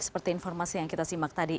seperti informasi yang kita simak tadi